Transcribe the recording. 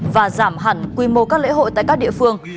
và giảm hẳn quy mô các lễ hội tại các địa phương